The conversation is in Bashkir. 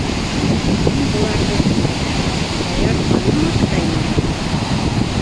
Мин быларҙы кейһәм, Саяр танымаҫ та инде!